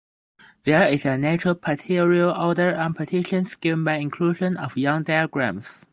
There is a natural partial order on partitions given by inclusion of Young diagrams.